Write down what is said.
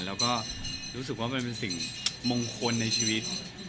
แล้วก็รู้สึกว่ามันเป็นสิ่งมงคลในชีวิต